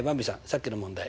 さっきの問題